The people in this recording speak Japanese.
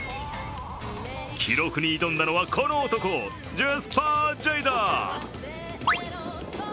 記録に挑んだのはこの男ジェスパー・ジェイダー。